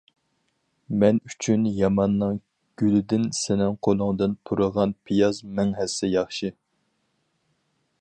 مەن ئۈچۈن ياماننىڭ گۈلىدىن، سېنىڭ قولۇڭدىن پۇرىغان پىياز مىڭ ھەسسە ياخشى.